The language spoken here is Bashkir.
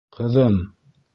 Ҡыҙым!..